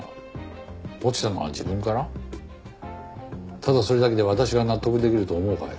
ただそれだけで私が納得できると思うかい？